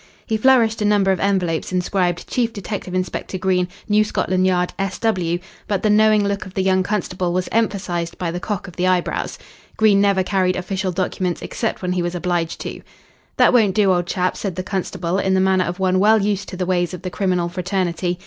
He flourished a number of envelopes inscribed "Chief Detective Inspector Green, New Scotland Yard, S.W.," but the knowing look of the young constable was emphasised by the cock of the eyebrows. Green never carried official documents except when he was obliged to. "That won't do, old chap," said the constable, in the manner of one well used to the ways of the criminal fraternity.